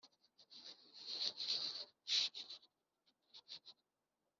bw amajwi busesuye bw abayitabiriye